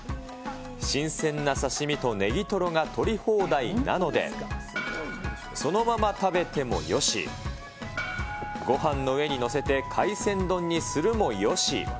新鮮な刺身とネギトロが取り放題なので、そのまま食べてもよし、ごはんの上に載せて海鮮丼にするもよし。